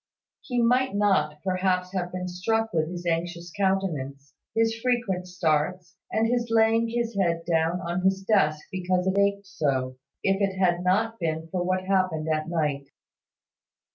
He might not, perhaps, have been struck with his anxious countenance, his frequent starts, and his laying his head down on his desk because it ached so, if it had not been for what happened at night.